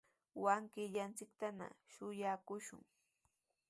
wawqillanchiktana shuyaakushun.